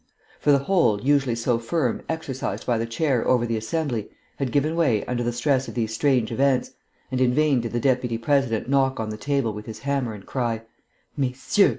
For the hold, usually so firm, exercised by the chair over the Assembly, had given way under the stress of these strange events, and in vain did the Deputy President knock on the table with his hammer and cry "Messieurs!